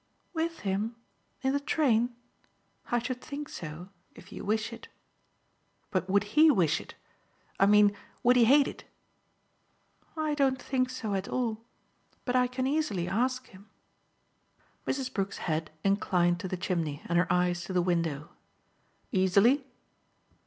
"With him in the train? I should think so if you wish it." "But would HE wish it? I mean would he hate it?" "I don't think so at all, but I can easily ask him." Mrs. Brook's head inclined to the chimney and her eyes to the window. "Easily?"